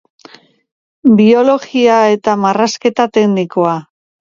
Biologia eta Marrazketa Teknikoa.